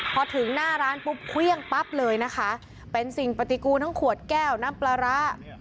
พอถึงหน้าร้านปุ๊บเครื่องปั๊บเลยนะคะเป็นสิ่งปฏิกูลทั้งขวดแก้วน้ำปลาร้า